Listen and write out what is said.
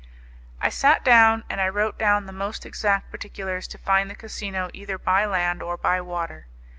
I sat down and I wrote down the most exact particulars to find the casino either by land or by water.